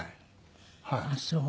ああそう！